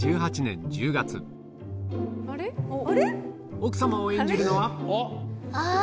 奥様を演じるのはあっ。